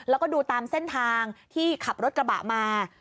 แล้วก็ดูตามเส้นทางที่ขับรถกระบะมา